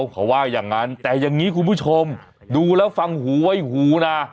เขาว่าอย่างนั้นแต่อย่างนี้คุณผู้ชมดูแล้วฟังหูไว้หูนะ